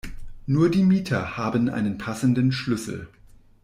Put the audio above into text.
Nur die Mieter haben einen passenden Schlüssel.